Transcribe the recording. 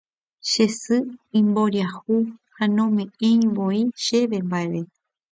Che sy imboriahu ha nome'ẽivoi chéve mba'eve